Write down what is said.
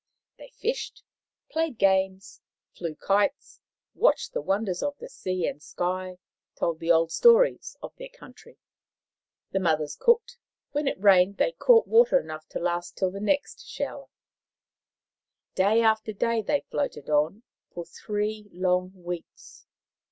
They fished, played games, flew kites, watched the wonders of the sea and sky, told the old stories of their country. The mothers cooked ; when it rained they caught water enough to last till the next shower. Day after day they floated on, for three long weeks.